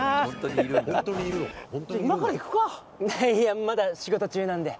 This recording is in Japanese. いやまだ仕事中なんで。